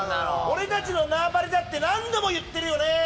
俺たちの縄張りだって何度も言ってるよね。